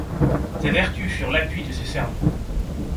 Ses vertus furent l’appui de ses Sermons.